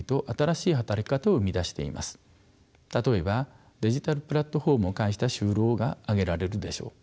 例えばデジタルプラットフォームを介した就労が挙げられるでしょう。